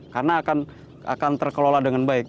karena akan terkelola dengan baik